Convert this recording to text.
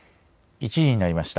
１時になりました。